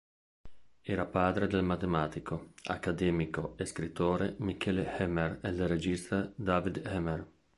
Era padre del matematico, accademico e scrittore Michele Emmer e del regista David Emmer.